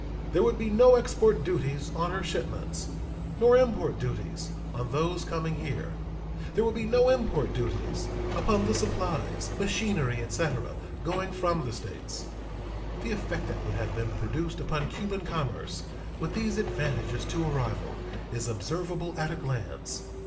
There would be no export duties on her shipments nor import duties on those coming here. There would be no import duties upon the supplies, machinery, etc., going from the States. The effect that would have been produced upon Cuban commerce, with these advantages to a rival, is observable at a glance.